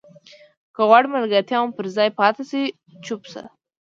که غواړې ملګرتیا مو پر ځای پاتې شي چوپ شه.